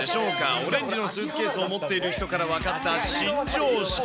オレンジのスーツケースを持っている人から分かった新常識。